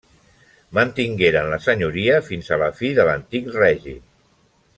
Mantingueren la senyoria fins a la fi de l'Antic Règim.